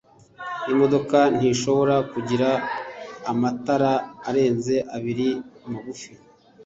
Imodoka ntishobora kugira amatara arenze abiri magufi.